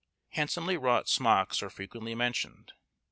Handsomely wrought smocks are frequently mentioned.